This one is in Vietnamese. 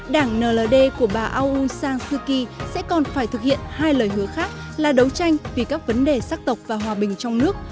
đảng nld của bà au san suu kyi sẽ còn phải thực hiện hai lời hứa khác là đấu tranh vì các vấn đề sắc tộc và hòa bình trong nước